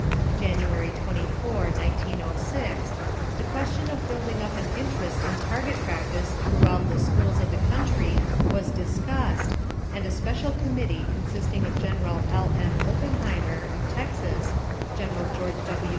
January 24, 1906, the question of building up an interest in target practice throughout the schools of the country was discussed, and a special committee consisting of Gen. L. M. Oppenheimer, of Texas; Gen. George W.